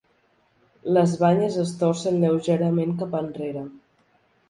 Les banyes es torcen lleugerament cap enrere.